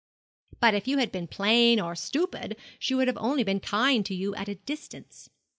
'But if you had been plain or stupid she would have only been kind to you at a distance.